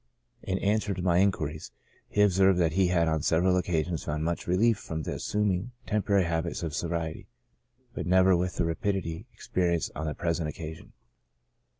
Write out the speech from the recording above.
In answer to my inquiries, he observed he had on several occasions found much relief from assuming temporary habits of sobriety, but never with the rapidity experienced on the present occasion.